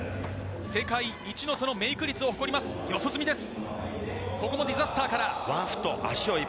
世界一のそのメイク率を誇ります、四十住です。